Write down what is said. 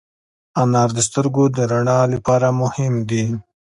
انار د سترګو د رڼا لپاره مهم دی.